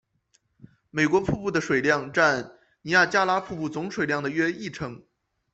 美国瀑布的水量占尼亚加拉瀑布总水量的约一成。